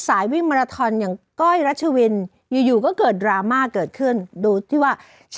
ใช่ครับประสบความสำเร็จ